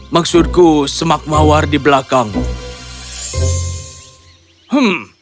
maksudku aku tidak bisa mencari putra yang lebih baik